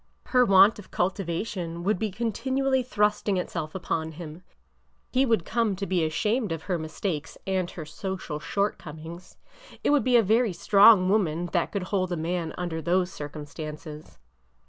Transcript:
Her want of cultivation would be continually thrusting itself upon him. He would come to be ashamed of her mistakes and her social shortcom ings. It would be a very strong woman that could hold a man under those circumstances.